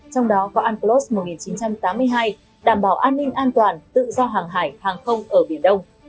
trong đó có unclos một nghìn chín trăm tám mươi hai đảm bảo an ninh an toàn tự do hàng hải hàng không ở biển đông